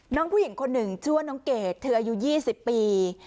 น้องผู้หญิงคนหนึ่งชื่อว่าน้องเกดเธออายุ๒๐ปี